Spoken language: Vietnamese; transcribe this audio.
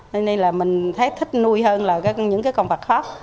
nên là mình thấy thích nuôi hơn là những cái con vật khác